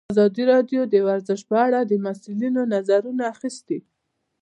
ازادي راډیو د ورزش په اړه د مسؤلینو نظرونه اخیستي.